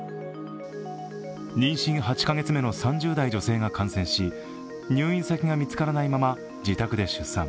妊娠８カ月目の３０代女性が感染し入院先が見つからないまま、自宅で出産。